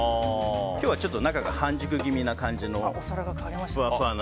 今日はちょっと中が半熟気味のふわふわな。